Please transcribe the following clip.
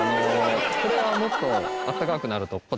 これはもっと暖かくなると。